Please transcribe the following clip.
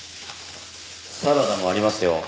サラダもありますよ。